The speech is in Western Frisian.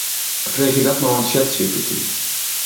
Freegje dat mar oan Chatgpt.